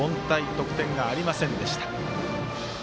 得点がありませんでした。